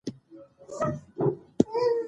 د کيسې پيل منځ او پای په ډېر ښه شکل څرګندېږي.